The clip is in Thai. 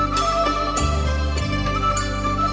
ตอนต่อไป